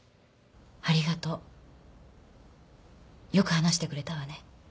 ありがとうよく話してくれたわね